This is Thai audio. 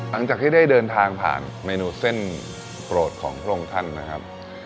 หลังจากที่ได้เดินทางผ่านเมนูเส้นโปรดของพระองค์ท่านนะครับ